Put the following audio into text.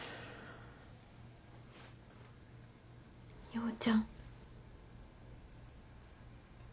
陽ちゃん。